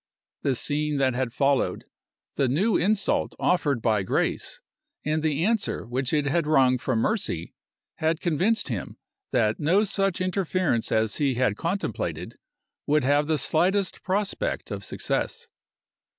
The scene that had followed, the new insult offered by Grace, and the answer which it had wrung from Mercy, had convinced him that no such interference as he had contemplated would have the slightest prospect of success.